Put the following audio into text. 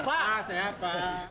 pak saya ke depan